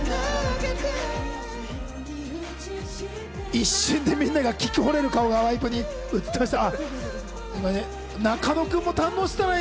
一瞬でみんなが聴き惚れる顔がワイプに映ってました。